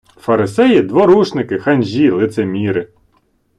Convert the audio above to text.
Фарисеї - дворушники, ханжі, лицеміри